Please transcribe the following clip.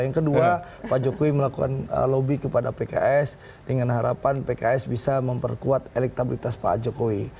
yang kedua pak jokowi melakukan lobby kepada pks dengan harapan pks bisa memperkuat elektabilitas pak jokowi